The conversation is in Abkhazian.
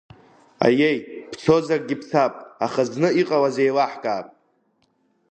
Аиеи, бцозаргьы бцап, аха зны иҟалаз еилаҳкаап.